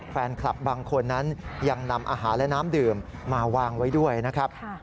แฟนคลับบางคนนั้นยังนำอาหารและน้ำดื่มมาวางไว้ด้วยนะครับ